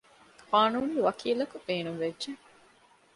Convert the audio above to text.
ޤާނޫނީ ވަކީލަކު ބޭނުންވެއްޖެ